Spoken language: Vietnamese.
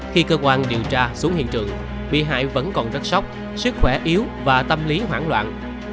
khi cơ quan điều tra xuống hiện trường bị hại vẫn còn rất sốc sức khỏe yếu và tâm lý hoảng loạn